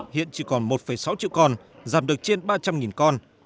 hiện chỉ còn một sáu triệu con giảm được trên ba trăm linh con